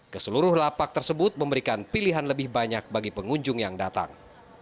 keseluruh lapak tersebut memberikan pilihan lebih banyak bagi pengunjung yang datang